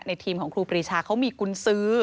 ทีมของครูปรีชาเขามีกุญสือ